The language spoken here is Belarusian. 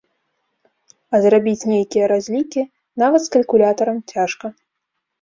А зрабіць нейкія разлікі нават з калькулятарам цяжка.